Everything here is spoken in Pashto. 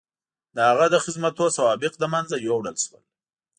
د هغه د خدمتونو سوابق له منځه یووړل شول.